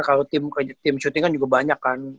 kalau tim syuting kan juga banyak kan